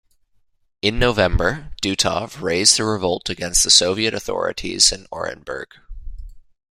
In November, Dutov raised a revolt against the Soviet authorities in Orenburg.